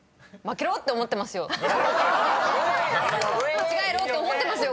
間違えろって思ってますよ